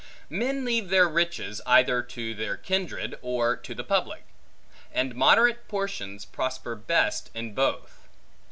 Men leave their riches, either to their kindred, or to the public; and moderate portions, prosper best in both.